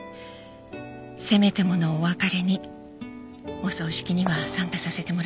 せめてものお別れにお葬式には参加させてもらいました。